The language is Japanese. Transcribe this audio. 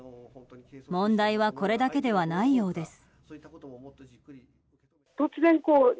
問題はこれだけではないようです。